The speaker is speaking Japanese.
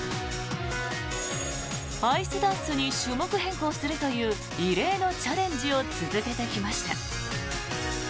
アイスダンスに種目変更するという異例のチャレンジを続けてきました。